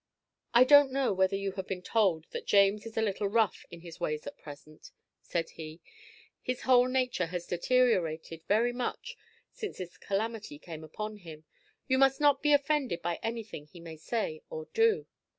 "I don't know whether you have been told that James is a little rough in his ways at present," said he; "his whole nature has deteriorated very much since this calamity came upon him. You must not be offended by anything he may say or do."